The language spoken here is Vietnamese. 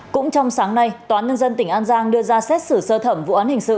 cũng trong sáng nay tòa án nhân dân tỉnh an giang đưa ra xét xử sơ thẩm vụ án hình sự